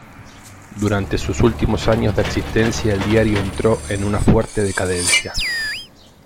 Durante sus últimos años de existencia el diario entró en una fuerte decadencia.